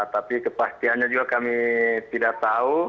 tapi kepastiannya juga kami tidak tahu